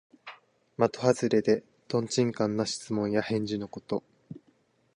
まとはずれで、とんちんかんな質問や返事のこと。